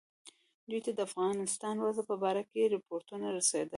دوی ته د افغانستان وضع په باره کې رپوټونه رسېدل.